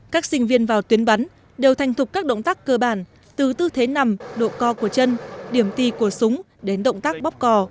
các sinh viên vào tuyến bắn đều thành thục các động tác cơ bản từ tư thế nằm độ co của chân điểm ti của súng đến động tác bóc cò